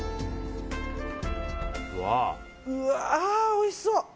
うわー、おいしそう。